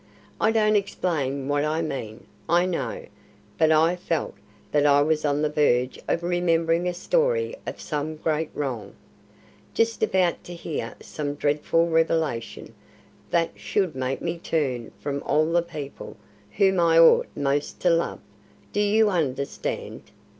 I don't explain what I mean, I know, but I felt that I was on the verge of remembering a story of some great wrong, just about to hear some dreadful revelation that should make me turn from all the people whom I ought most to love. Do you understand?"